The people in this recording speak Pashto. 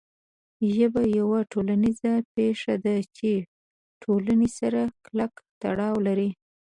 ژبه یوه ټولنیزه پېښه ده چې د ټولنې سره کلک تړاو لري.